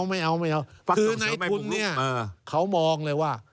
ไม่เอาไม่เอาคือในทุนเนี่ยเขามองเลยว่า